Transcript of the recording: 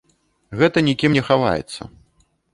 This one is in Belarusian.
Гэта нікім не хаваецца.